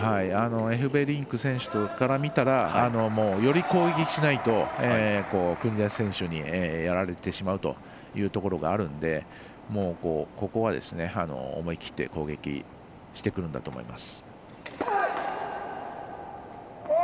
エフベリンク選手から見たらより攻撃しないと、国枝選手にやられてしまうというところがあるのでここは、思い切って攻撃してくるんだと思います。